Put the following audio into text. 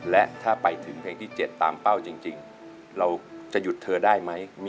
และถ้าไปถึงเพลงที่๗ตามเป้าจริงเราจะหยุดเธอได้ไหม